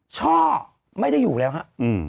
ช่อไม่ได้อยู่แล้วฮะ